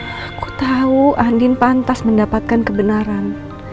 aku tahu andin pantas mendapatkan kebenaran